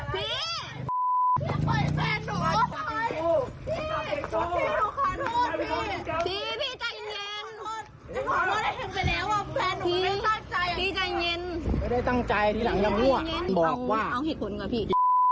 ปี๊ปี๊ไม่เอาเอาเหตุผลก่อนพี่